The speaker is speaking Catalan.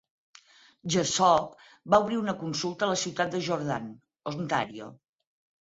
Jessop va obrir una consulta a la ciutat de Jordan, Ontario.